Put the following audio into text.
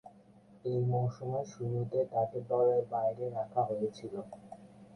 ঐ মৌসুমের শুরুতে তাকে দলের বাইরে রাখা হয়েছিল।